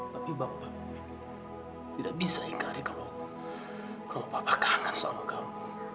tapi papa tidak bisa ingatnya kalau papa kangen sama kamu